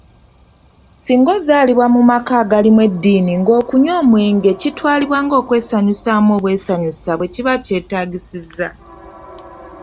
Singa ozaalibwa mu maka agalimu eddiini ng'okunywa omwenge kitwalibwa ng'ekyokwesanyusaamu obwesanyusa, wekiba kyetaagisizza.